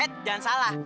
eh jangan salah